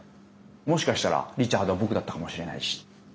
もしかしたらリチャードは僕だったかもしれないし。